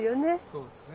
そうですね。